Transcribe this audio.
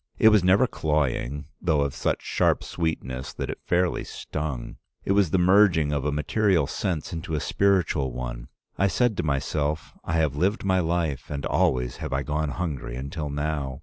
It was never cloying, though of such sharp sweetness that it fairly stung. It was the merging of a material sense into a spiritual one. I said to myself, 'I have lived my life and always have I gone hungry until now.